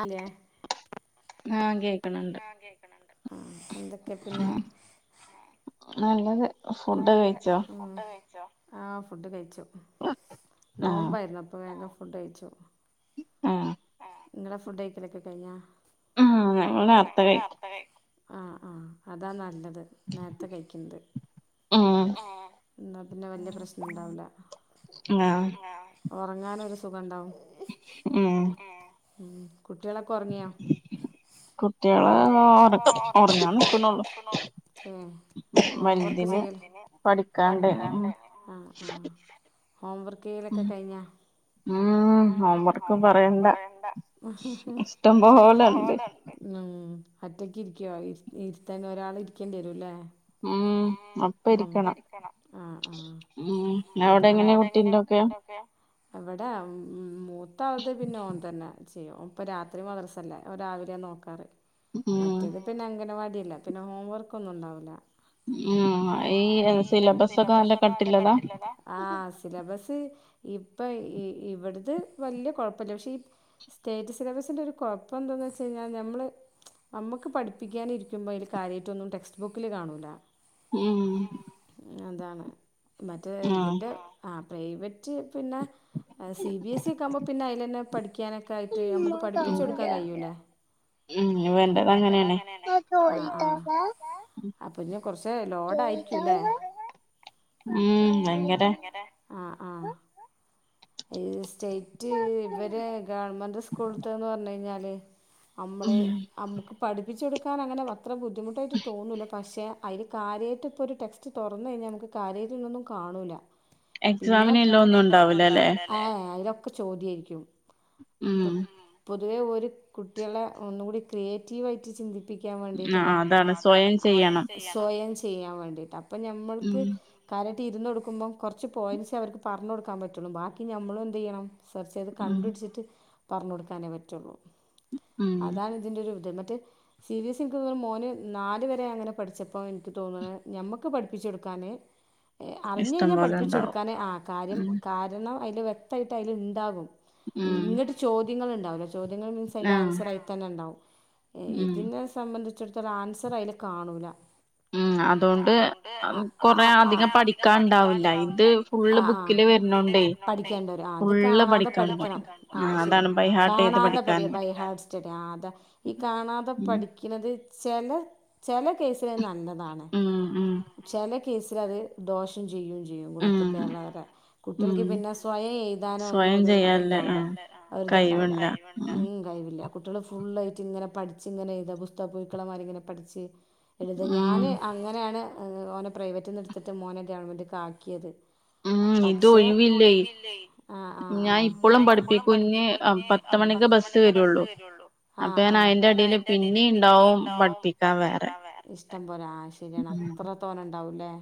അതെ ആ കെ ആ കേഖിണ്ട് എന്തൊക്കെ പിന്നെ ഫുഡ് കഴിച്ചോ ആഹ് ഫുഡ് കഴിച്ചു നോമ്പായിരുന്നു അപ്പൊ വേഗം ഉടയ്ച്ചു ആഹ് ഇങ്ങള ഫുഡൈക്കലൊക്കെ കയ്ഞാ ഉ ഞങ്ങ അത്ത കഴ് ആഹ് ആഹ് അതാ നല്ല നേരത്തെ കൈക്കിണ്ട് എന്നാ പിന്നെ വെല്യ പ്രശ്നണ്ടാവ്ല ആഹ് ഒറങ്ങാനൊരു സുഖണ്ടാവും ഉം ഉം കുട്ട്യാളൊക്കെ ഒർങ്ങിയോ വർക്ക് ചെയ് ഉം ഹോംവർക്കും പറ ഒക്കെ പറയണ്ട എ പോലണ്ട് ഉ ഒറ്റയ്ക്ക ഇരിക്കുവോ ഇ ഇരുത്തന്നെ ഒരാൾ ഇരിക്കേണ്ടി വരു അല്ലേ ആ ആ അതാണ് വിടെ മൂത്ത നോ ന്ദന ചെയ്യോ ഇപ്പൊ രാത്രി മദ്രസല്ലേ രാവിലെയ നോക്കാറ് മറ്റേത് പിന്നെ അങ്കനവാടി ല്ല പിന്നെ ഹോം വർക്ക് ഒന്നും ഉണ്ടാവില്ല ഈ സിലബസ് ഒക്കെ നല്ല കട്ടി ഉള്ളതാ ആ സിലബസ് ഇപ്പൊ ഇവിടത് വലിയ കുഴപ്പ കുഴപ്പമില്ല പക്ഷേ ഈ സ്റ്റേറ്റ് സിലബസിൻ്റെ ഒരു കുഴപ്പം എന്താെന്ന് വെച്ച് കഴിഞാൽ നമ്മൾ നമുക്ക് പഠിപ്പിക്കാന ഇരിക്കുമ്പോൾ അതിൽ കാര്യമായിട്ട ഒന്നും ടെക്സ്റ്റ് ബുക്കിൽ കാണൂില്ല ഉം അതാണ് മറ്റേ ഇതിന്റെ ആ പ്രൈവറ്റ് പിന്നെ സി ബി എസ് ഇ ഒക്കെ ആവുമ്പോ പിന്നെ അതില് പഠിക്കാനൊക്കെ ഉ ഇവൻ്റെ അങ്ങനെതന്നെ ഉ ഭയങ്കര സ്റ്റേറ്റ് പലേ നമ്മളെ നമുക്ക് പഠിപ്പിച്ചെടുക്കാൻ അങ്ങനെ വ അത്ര ബുദ്ധിമുട്ടായിട്ട്തോന്നൂല്ല പക്ഷെ അതിൽ കാര്യമായിട്ട് ഇപ്പോൾ ഒരു ടെക്സ്റ്റ് തുറന്ന കഴിഞ്ഞാൽ നമുക്ക് കാര്യട്ട് അതിൽ ഒന്നും കാണില്ല പിന്നെ എക്സാമിന് ഉള്ളെ ഒന്നും ഉണ്ടാവില്ലല്ലേ അ അതിന് ഒക്കെ ചോദ്യംമായിരിക്കും ഇപ്പ മം പു പൊതുവേ ഒരു കുട്ടികളെ ഒന്നുംകൂടി ക്രിയേറ്റീവ് ആയിട്ട് ചിന്തിക്കും ക്കാവേണ്ടിട്ടുള്ള അ അതാണ് സ്വയം ചെയ്യണം സ്വയം ചെയ്യാൻ വേണ്ടയിട്ട് അപ്പം ഞമ്മൾക്ക് കാര് ഇരു കൊടുക്കുമ്പോം കുറച്ച് പോയിന്റ്സ് അവർക്ക് പറഞ്ഞ കൊടുക്കാ പറ്റുള്ളു ബാക്കി നമ്മള എന്ത് ചെയ്യണം കണ്ടപിടിച്ചിട്ട് പറഞ്ഞു കൊടുക്കാനേ പറ്റുള്ളൂ അതാണ് ഇതിന്റെറെ ഒരു വിദമ സി ബി എസ് ഇ എനിക്ക് തോന്നണ് മോനു നാലുവരെ അങ്ങനെ പഠിച്ചപ്പോൾ എനിക്ക് തോന്നണ് ഞമ്മക്ക് പഠിപ്പിച്ച് കൊടുക്കാന് അറിഞ്ഞു കഴിഞ്ഞാൽ പഠിപ്പിച്ചു കൊടുക്കാനെ ആ കാര്യം കാരണം അതിൽ വ്യക്തമായിട്ട് അതിലുണ്ടാകും നിങ്ങട്ട് ചോദ്യങ്ങുണ്ട് തൗല ചോദ്യങ്ങൾ മീൻസ് അതിന്റെ ആൻസർയി തന്നെ ഉണ്ടാവും ഇതിനെ സംബന്ധി ഇച്ചടുത്ത ഒരു ആൻസർ അതിൽ കാണൂല ഉം അതണ്ട് ആ ആ കുറെ അതികം പഠിക്കാനുണ്ടാവില്ല ആ ആ ഇത് ഫുള്ള് ബുക്കിലു വരുന്ന പഠിക്കേണ്ടരും അത് കാണാതെ പഠിക്കാ ആ ശരിയാ കാണാതെ പഠ ബൈഹാർസ്റ്റഡി ത ഈ കാണാതെ പഠിക്കുന്നത് ചല് ചില കേസ നല്ലതാണ് ച കേ ത് ദോഷം ചെയ്യുകയും ചെയ്യും മം ഗുണത്ത്ക്കാകാതെ കുട്ടികൾക്ക് പിന്നെ സ്വയം എഴുതാന ഒന്നുംരു അത്ണ്ടാവില്ല ഒരി ഇതുണ്ടാവൂല ഉ കഴിവില്ല കുട്ടികൾ ഫുള്ളായിട്ട് ഇങ്ങനെ പഠിച്ച് ഇങ്ങനെ എഴുതാ പുസ്തക പുഴുക്കളമാരിങ്ങനെ പഠിച്ച് എഴുത ഞാന് അങ്ങനെയാണ് എ ഓനെ പ്രൈവറ്റി നിന്ന് എടുത്തിട്ട് മോനെ ഗവൺമെന്റെക്ക് ആക്കിയത് പക്ഷെ ആ ആ ആ ആ ആ ഇഷ്ടം പോലെ ആ ശരിയാണ് അത്ര തോനുണ്ടാവൂല്ലേ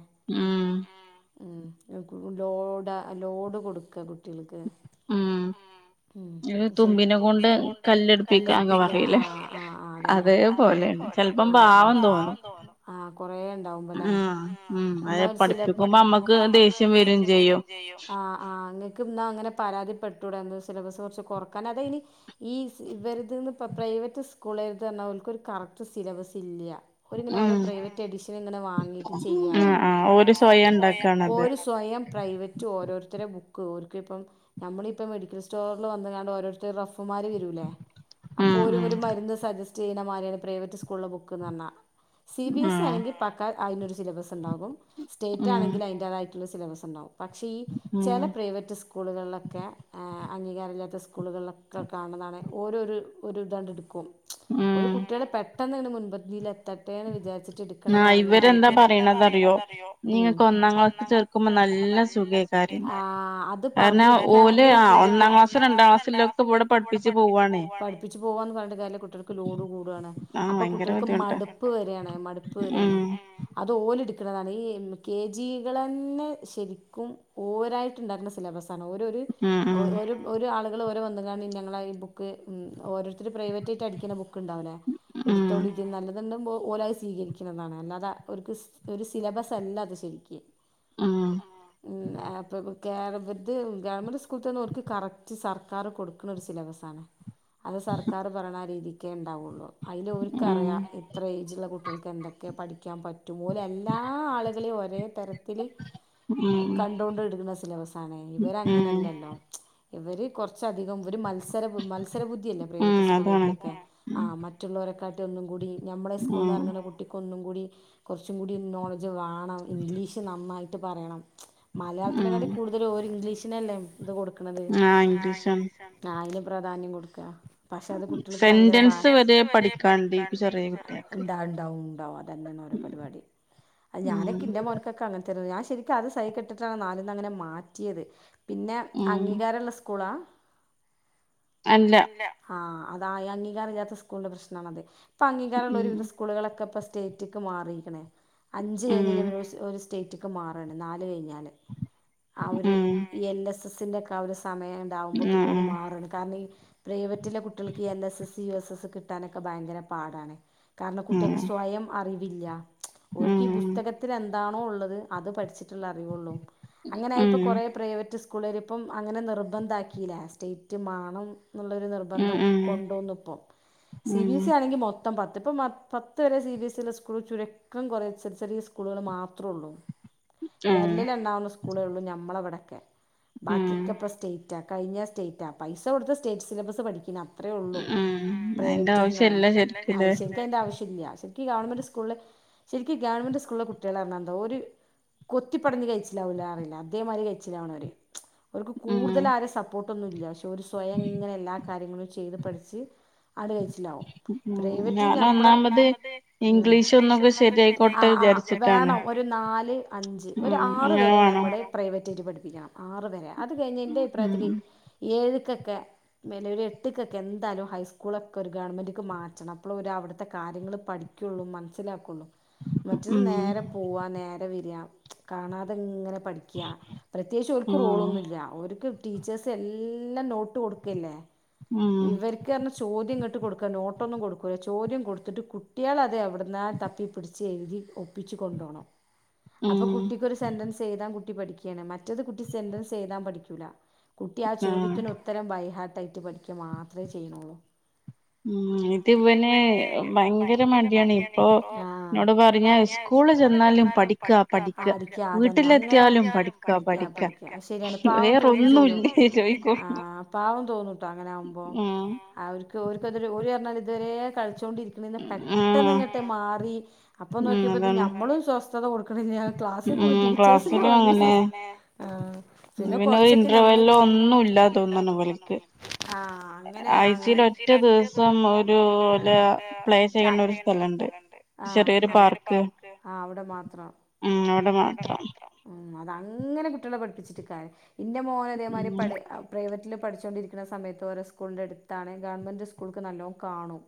ഉം കു ലോഡ ലോഡ് കൊടുക്കുക കുട്ട് കുട്ടികൾക്ക് ഉം ശരി കല്ലടിപ്പിക്ക അ അ അ അ അതന്നെ ആ കൊറെ ഉണ്ടാവും അല്ലേ. എന്ന ഒരു സിലബ് ആ ആ അങ്ങെക്കുംന്ന പരാതിപ്പെട്ട് കൂടെ സിലബസ് കുറച്ച് കൊറക്കാൻ അത് ഇനി ഈ ഇവരിതുന്ന് പ പ്രൈവറ്റ് സ്കൂളെ എഴുതന്നവർക്കൊരു കറക്റ്റ് സിലബെസ് ഇല്ല. ഓരിങ്ങനെ ഓരോ പ്രൈവറ്റ് എഡിഷൻ ഇങ്ങനെ വാങ്ങിയിട്ട് ചെയ്യാണെ ഓരു സ്വയം പ്രൈവറ്റ് ഓരോരുത്തരെ ബുക്ക് ഓർക്കിപ്പം നമ്മളി ഇപ്പം മെഡിക്കൽ സ്റ്റോറില് വന്നതൊണ്ട് ഓരോരുത്തര് റഫ് കുമാര് വരൂല്ലേ അപ്പോ ഒരോരോ മരുന്ന് സജസ്റ്റ് ചെയ്യുന്നമാരിയാണ് പ്രൈവറ്റ് സ്കൂളിലെ ബുക്കെന്ന് പറഞ്ഞാ സി ബി എസ് ഇ അല്ലെങ്കിൽ പക്കാ അതിനൊരു സിലബസ് ഉണ്ടാകും സ്റ്റേറ്റ് ആണെങ്കിൽ അതിന്റതായി ട്ടുള്ള സിലബസ് ഉണ്ടാവും പക്ഷേ ഈ ചില പ്രൈവറ്റ് സ്കൂളുകളിലൊക്കെ അംഗീകാരമില്ലാത്ത സ്കൂളുകളിലൊക്കെ കാണുന്നതാണെ ഓരോരോ ഒരു ഇതാണ്ട് എടുക്കും ഒരു കുട്ടികൂടെ പെട്ട് പെട്ടന്നങ്ങ് മുൻപന്തില്ല തട്ടെന്ന വിചാരിച്ചിട്ടെടുക്കണതാണെങ്കി ഉം ആ അതു പറഞ്ഞെടുക്കാണെങ്കിൽ പഠിപ്പിച്ചു പോവാന് പറഞ്ഞിട്ട് കാര്യമില്ല കുട്ടികൾക്ക് ലോഡ് കൂടുകാണ്. അപ്പൊ കുട്ടികൾക്ക് മടുപ്പ് വരുകാണ് മടുപ്പ് വരുകാണ് അത് ഓലെട് താണ് ഈ കെ ജി കള് തന്നെ ശരിക്കും ഓരായിട്ട് ഉണ്ടാക്കുന്ന സിലബസാ ഓരോരു ഓരോരു ഒരു ഒരാൾ നിങ്ങളോരോ വന്നു കാണു ഞങ്ങളായീ ബുക്ക് ഉം ഓരോരുത്തര് പ്രൈവറ്റായിട്ട് അടിക്കുന്ന ബുക്ക് ണ്ടാവൂലേ എടുത്തോളീ ഇത് നല്ലതെന്നു ഒ ഓലായി സ്വീകരിക്കുന്നതാണ് അല്ലാതെ അവർക്ക് ഒരു സിലബസ്സല്ല അത് ശരിക്കും. ഉം ആപ്പൊകു [inaudible] [inaudible] കറക്റ്റ് സർക്കാർ കൊടുക്കുന്ന ഒരു സിലബസ് ആണ് അത് സർക്കാർ പറയണ രീതിക്ക് ക്കേണ്ടാവയുള്ളൂ അതിക്കറിയാം ഇത്ര ഏജുള്ള കുട്ടികൾക്ക് എന്തൊക്കെയാണ് പഠിക്ക പഠിക്കാൻ പറ്റും പോലെ എല്ലാ ആളുകളെയും ഒരേ തരത്തി തരത്തിൽ കണ്ടോണ്ട് ഇടുന്ന [inaudible] ഇവർ അങ്ങനല്ലല്ലോ ഇവർ കുറച്ച് അധികം ഒരു മ മത്സരബുദ്ധിയല്ലേ പ്രൈവറ്റ് സ്കൂൾക്കൊക്കെ ആ മറ്റുള്ളവരൊക്കെ ഒന്നും കൂടി നമ്മുടെ സ്കൂൾ നിന്നറങ്ങുന്ന കുട്ടിക്കൊന്നും കൂടി കുറച്ചും കൂടി നോളജ് വേണം ഇംഗ്ലീഷ് നന്നായിട്ട് പറയണം മലയാളത്തിൽ കൂടുതൽ ഒരു ഇംഗ്ലീഷ് പിന്നല്ലേ ഇത് കൊടുക്കുന്നത് ആ [inaudible] പ്രാധാന്യം കൊടുക്കുക പക്ഷെ അത് കുട്ടികൾക്ക് ഭയങ്കര സെൻ്റൻസ് വരെ പഠിക്കാൻ ഇണ്ട് ഈ ചെറിയ ഉണ്ടാവും അതന്നെയാണ് ഓൻ്റെ പരിപാടി ഞാനൊക്കെ എൻ്റെ മോനക്കൊക്കെ അങ്ങനെ ശരിക്കും അത് സഹികെട്ടിട്ടാണ് നാലിൽ നിന്നെ അങ്ങനെ മാറ്റിയത് പിന്നെ അംഗീകാരമുള്ള സ്കൂളാ അല്ല ആ അതായ അംഗീകാരമില്ലാത്ത സ്കൂളിന്റെ പ്രശ്നമാണിത് ഇപ്പോ അംഗീ കാരമുള്ള ഒരു വിധ സ്കൂളുകളൊക്കെ സ്റ്റേറ്റ്ക്ക് മാറിക്ക്ണ് അഞ്ച് കഴിഞ്ഞ് [unintelligible] ഒര് സ് സ് സ്റ്റേറ്റ് ക്ക് മാറണം നാല് കഴിഞ്ഞാൽ ആ ഒരു എൽ എസ് സിൻ്റെക്കെ ആ ഒര് സ സമയം ഉണ്ടാവുമ്പോ പിന്നെ ഓല് മാറാണ് കാരണം ഈ പ്രൈവറ്റിലെ കുട്ടികൾക്ക് L S S U S S കിട്ടാനൊക്കെ ഭയങ്കര പാടാണ് കാരണം കുട്ടികൾക്ക് സ്വയം അറി ഇല്ല ഓൽക്ക് ഈ പുസ്തകത്തിൽ എന്ത എന്താണോ ഉള്ളത് അത് പഠിച്ചിട്ടുള്ള അറിവുള്ളൂ അങ്ങനൊയിപ്പൊ കൊറേ പ്രൈവറ്റ് സ് സ്കൂളാര് ഇപ്പം അങ്ങനെ നിർബന്ധാക്കി ലാസ്റ്റ് സ്റ്റേറ്റ് മാണം എന്നുള്ളൊരു നിർബന്ധം കൊണ്ടുവന്നു ഇപ്പം സി ബി എസ് ഇ ആണെങ്കിൽ മൊ മൊത്തം പത്ത് ഇപ്പ പത്ത് വരെ സി ബി എസ് ഇയിള്ള സ്കൂൾ ചുരുക്കം കുറ ചില ചെറിയ സ്കൂളുകൾ മാത്രേള്ളു വെരലിലെ ണ്ണാവുന്ന സ്കൂളേ ഉള്ളൂ ഞമ്മളെവിടെ ആ ബാക്കിക്കെ പ്പ സ്റ്റേ റ്റ കഴിഞ്ഞാ സ്റ്റേറ്റ പൈസ കൊടുത്ത് സ്റ്റേറ്റ് സിലബസ് പഠിക്ക്ണ് അ ത്രേ ഉള്ളൂ പ്രൈവറ്റും ശരിക്കും അതിൻ്റെ ആവശ്യല്ല ഈ ഗവൺമെന്റ് സ്കൂളില് ശരിക്കും ഗവൺമെന്റ് സ്കൂളിലെ കുട്ടികള അർഞ്ഞാ എന്തോ ഒരു കൊത്തിപ്പടിഞ്ഞ് കഴിച്ചിലാവൂലാറിലേ അതേമാതിരി കഴിച്ചിലാവണോല് അവർക്ക് കൂട്തൽ ആരെ സപ്പോർ ട്ടൊന്നുല്ല പ ഒരു സ്വയം അങ്ങനെ എല്ലാ കാര്യങ്ങളും ചെയ്ത് പഠിച്ച് അ കഴിച്ചിലാവും പ്രൈവറ്റ് നമ്മള് വേണം നാല് അഞ്ച് ഒര് ആറ് വരെ നമ്മള് പ്രൈവ [unintelligible] പിടിപ്പിക്കണം. ആറുവരെ അത് കഴിഞ്ഞ എന്റെ അഭിപ്രായത്തില് ഏഴ് ക്കൊക്കെ [unintelligible] ഒരു എട്ടിക്കൊക്കെ എന്തായാലും ഹൈസ്കൂളൊക്കെ ഒരു ഗവൺമെന്റിക്ക് മാറ്റണം അപ്പോൾ ഒരു അവിടുത്തെ കാര്യങ്ങൾ പഠിക്കുകയുള്ളൂ മനസ്സിലാക്കുള്ളൂ. മറ്റത് നേരെ പോവാ നേരെ വരിക കാണാതിങ്ങനെ പഠിക്കാ [unintelligible] ത്യേകിച്ച് ഓർക്ക് റോളൊന്നുല്ലാ ഒരിക്കു ടീച്ചേഴ്സ് എല്ലാം നോട്ട് കൊടുക്കല്ലേ? ഇവർക്ക് പറഞ്ഞാ ചോദ്യങ്ങട്ട് കൊടുക്കാ നോട്ടൊന്നും കൊടു [unintelligible] ചോദ്യം കൊടുത്തിട്ട് കുട്ടികൾ അതെ എവിടെ ആ തപ്പി പിടിച്ചു എഴുതി ഒപ്പിച്ച് കൊണ്ടോണം അപ്പൊ കുട്ടിക്ക് ഒരു സെന്റൻസ് എയ്താൻ കു- പഠിക്കയാണ് മ - മറ്റത് കുട്ടി സെൻറൻസ് എ്താൻ പഠിക്കൂല കുട്ടി ആ ചോദ്യത്തിന് ഉത്തരം വൈഹാട്ട്- നൈറ്റ്‌ പഠിക്കുക മാത്രമേ ചെയ്യ്ണ്ള്ളൂ ഉം ഇതിവന് ഭയങ്കര മടിയാണ് ഇപ്പൊ എന്നോട് പറഞ്ഞാ സ്കൂള് ചെന്നാലും പഠിക്കുക പഠിക്ക വീട്ടിലെത്തിയാലും പഠിക്കുക ആ പഠിക്കുക ശരിയാണ് പാവം തോന്നുകയും ചെയ്യും വേറെ ഒന്നും ഇല്ല ആ പാവം തോന്നും ട്ടോ അങ്ങനെ ആകുമ്പോ അവര്ക്ക് - ഓരക്ക് ഓരു പറഞ്ഞു ഇതുവരെ കളിച്ചോണ്ടിരിക്കണന്ന് പെട്ടെന്ന് ഇങ്ങോട്ട് മാറി- അപ്പൊ നോക്കിയപ്പോ ഞമ്മളും സ്വസ്ഥത കൊടു- ഞാൻ ക്ലാസിൽ പോയി ടീച്ചേഴ്സി വക - പിന്നെ കൊറച്ചൊക്കെ ഞമ്മള് ഒന്നുവില്ലാതൊണ്ട ഞമ്മള് ആ അങ്ങനെ ആഴ്ചയിൽഒറ്റ ദിവസം ദിവസം ഒരു ഇല്ല പ്ലേ ചെയുന്ന ഒരു സ്ഥലം ഉണ്ട് ചെറിയ ഒരു പാർക്ക് അവിടെ മാത്രം - ഉം അവിടെ മാത്രം മ [unintelligible] അങ്ങനെ കുട്ടികളെ പഠിപ്പിച്ചിട്ട് കാര്യ- എൻ്റെ മോന് അതേമാതിരി പ പ്രൈവറ്റില് പഠിച്ചുകോണ്ടിരിക്കുന്ന സമയത്ത് ഓരോ സ്കൂളിന്റെ അടുത്താണ് ഗവൺമെന്റ് സ്കൂൾക്ക് നല്ലോണം കാണും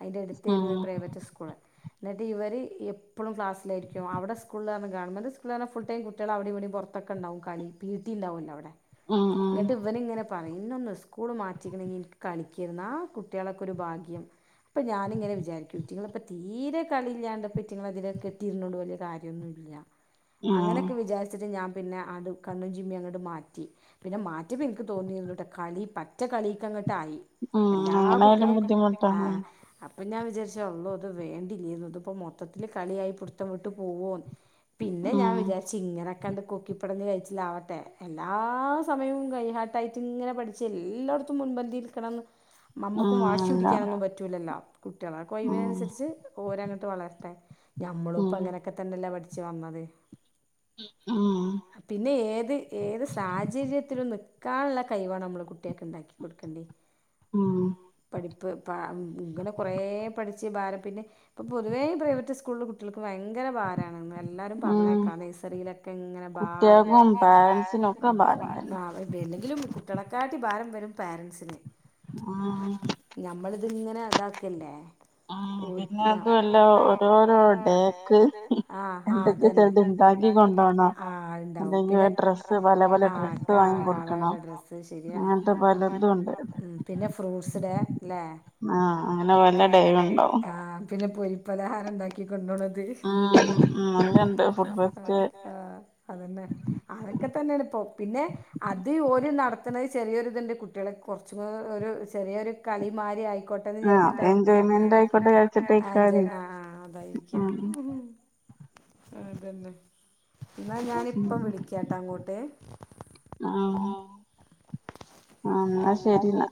അതിന്റെ അടുത്തായിരുന്നു പ്രൈവറ്റ് സ്കൂള് എന്നിട്ട് ഇവർ എപ്പോഴും ക്ലാസായിരിക്കും അവിടെ സ്കൂളിൽ ഗവമെന്റ് സ്കൂളിൽ ഫുൾ ടൈം കുട്ടികളൾ അവിടെ ഇവിടെ പുറത്തൊക്കെണ്ടാവും കളി പീട്ടിണ്ടാവുമല്ല അവിടെ എന്നിട്ട് ഇവർ ഇങ്ങനെ പാ പറയും സ്കൂള് മാറ്റിണെങ്കിൽ എനിക്ക് കളിക്കായിരുന്നു ആ കുട്ടികളൊക്കെ ഒരു ഭാഗ്യം അപ്പൊ ഞാനിങ്ങനെ വിചാരിക്കും കുട്ടികളെ ഇപ്പ തീരെ കളി ഇല്ലാണ്ട് കുറ്റിങ്ങളതിെ കെട്ടിയിരുന്നോൂ വലിയ കാര്യമൊന്നുമ ഇല്ല അങ്ങനെയൊക്കെ വിചാരിച്ച ഞാൻ പിന്നെ അ കണ്ണും ചിമ്മി അങ്ങോട്ട് മാറ്റി പിന്നെ മാറ്റിയപ്പോ എനിക്ക് തോന്നിട്ട കളി പറ്റ കളിക്ക എല്ലാ കുട്ടികളും ആ അപ്പൊ ഞാൻ വിചാരിച്ച് അള്ളോ അത് വേണ്ടില്ലിനു ഇപ്പ മൊത്തത്തില്ൽ കളിയായി പിടുത്തം വിട്ട് പോവോന്ന് പിന്നെ ഞാൻ വിചാരിച്ച ഇങ്ങനെ നക്കി ഇപ്പ [unintelligible] ടന്ന് കഴിച്ചില ആവട്ടെ എല്ലാ സമയവും ബൈഹാർട്ടായിട്ട് ഇങ്ങനെ പഠിച്ച് എല്ലായിടത്തും മുൻപന്തിയിരിക്കണന്ന് നമ്മുക്കും വാശി പിടിക്കാനൊന്നും പറ്റൂലല്ലോ കുട്ടികളെ കൊയവിനനു [unintelligible] സരിച്ച് ഓരങ്ങോട്ട് വളർത്തൻ ഞമ്മളും ഇപ്പോ അങ്ങനൊക്കെ തന്നെ അല്ലാ പറ്റൂ വന്നതേ പിന്നെ ഏത് ഏത് സാഹചര്യത്തിലൊന്ന്- കാണുള്ള കൈ വണം നമ്മൾ കുട്ടിയൊക്കെ ഉണ്ടാക്കി കൊടുക്കേണ്ടത് ഉം ഇപ്പ ഇങ്ങനെ കുറേ പഠിച്ച് ഭാരം പിന്നെ ഇപ്പോ പൊതുവേ പ്രൈവറ്റ് സ്കൂളിൽ കുട്ടികൾക്ക്- ഭയങ്കര ഭാരാണ്ന്ന് എല്ലാവരും പറഞ്ഞ കേക്കാം - യിലൊക്കെ ഇങ്ങനെല്ലെങ്കിലും [unintelligible] കുട്ടികളെക്കാട്ടിയും ഭാരം വരും പേരെന്റ്സ്ന് ആഹ് അത്ങ്ങനെ അതാക്കല്ലേ ഉം പിന്നെ അതുമല്ല ഓരോരോ ഡേക്ക് എന്തൊക്കെയോ ചെലത് ഉണ്ടാക്കി ആ ഇണ്ടാവും പിന്നെ ഡ്രസ്സ്‌ ആ പല പല ഡ്രസ്സ്‌ ശരിയാണ് പിന്നെ ഫ്രൂസ് ഏ ആഹ് അങ്ങനെ വല്ല ഡേ ഉണ്ടോ പോരി പലഹാരം ഉണ്ടാക്കി ആ ആ അങ്ങനണ്ട് ഫുട് ആഹ് അതന്നെ അഅക്കെ തന്നെണ്പ്പോ പിന്നെ അത് ഓല് ഈ നടത്ത്ന്നത് ചെറിയൊരു ഇതുണ്ട് കുട്ട്യാളെ കൊറച്ചൂ ഒരു ചെറിയൊരു കളിമാരി ആയി ക്കോട്ടെന്ന് വിചാരിച്ച് തരിക്കാ അനെ ആഹ് ആഹ് അതയ്ക്കും അതന്നെ എന്നാ ഞാനിപ്പം വിളിക്കാട്ടാ അങ്ങോട്ട് ആഹ് ന്നാ ശരിന്നാ